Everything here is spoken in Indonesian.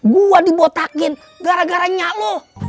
gue dibotakin gara gara nyak lo